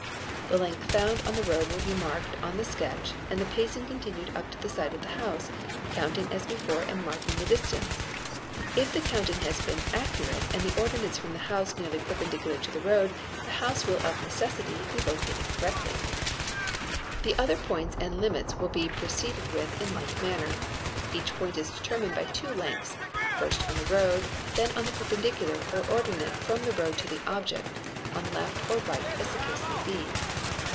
The length found on the road will be marked on the sketch and the pacing continued up to the side of the house, counting as before and marking the distance. If the counting has been accurate and _ the ordinates from the house nearly perpendicular to the road, the house ~ will of necessity be located correctly. The other points and limits will be proceeded with in like manner. lEKach point is determined by two lengths; first on the road, then on the perpendicular or ordinate from the road to the object, on left or right as the case may be.